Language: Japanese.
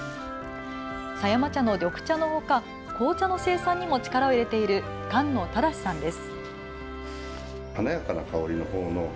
狭山茶の緑茶のほか紅茶の生産にも力を入れている菅野正さんです。